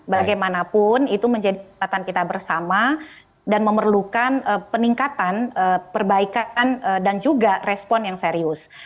bagaimanapun itu menjadi catatan kita bersama dan memerlukan peningkatan perbaikan dan juga respon yang serius